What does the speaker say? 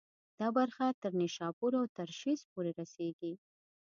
دا برخه تر نیشاپور او ترشیز پورې رسېږي.